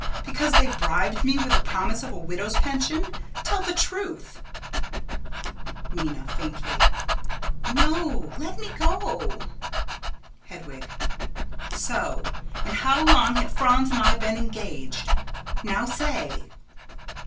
Because they bribed me with the promise of a widow's pension? Tell the truth. Minna: [Faintly.] No. Let me go. Hedwig: So! And how long had Franz and I been engaged? Now say.